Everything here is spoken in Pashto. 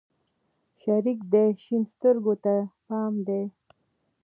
شريکه دې شين سترگو ته پام دى؟